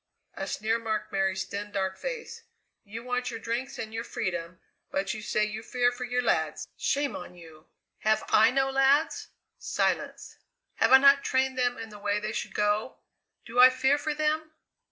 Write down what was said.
A sneer marked Mary's thin, dark face. "You want your drinks and your freedom, but you say you fear for your lads. Shame on you! Have I no lads?" Silence. "Have I not trained them in the way they should go? Do I fear for them?"